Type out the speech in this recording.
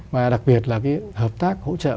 và đặc biệt là hợp tác hỗ trợ